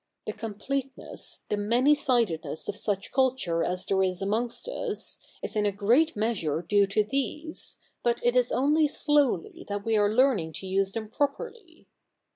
The completeness, the many sidedness of such culture as there is amongst us, is in a great measure due to these ; but it is only slowly that we are learning to use them properly.